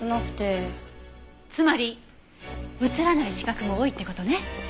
つまり映らない死角も多いって事ね。